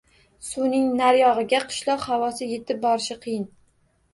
Suvning nariyog‘iga qishloq havosi yetib borishi qiyin.